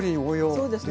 そうですね。